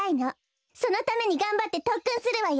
そのためにがんばってとっくんするわよ！